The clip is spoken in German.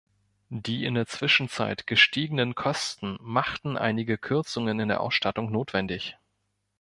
Die in der Zwischenzeit gestiegenen Kosten, machten einige Kürzungen in der Ausstattung notwendig.